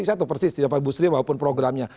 saya tuh persis tidak pakai busri maupun programnya